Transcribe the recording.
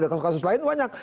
dan kasus kasus lain banyak